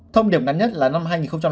thông điệp nắn nhất là năm hai nghìn năm